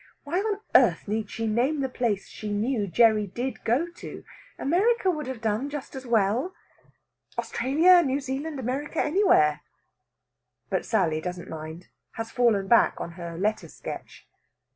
Why on earth need she name the place she knew Gerry did go to? America would have done just as well. "Australia New Zealand America anywhere!" But Sally doesn't mind has fallen back on her letter sketch.